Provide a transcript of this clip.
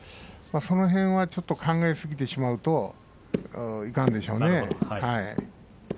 その辺はちょっと考えすぎてしまうといかんでしょうね。